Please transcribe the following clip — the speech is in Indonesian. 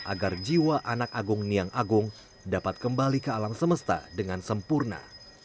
agar jiwa anak agung niang agung dapat kembali ke alam semesta dengan sempurna